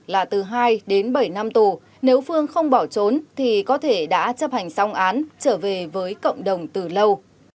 là từ hai đến bảy năm tù nếu phương không bỏ trốn thì có thể đã chấp hành xong án trở về với cộng đồng từ lâu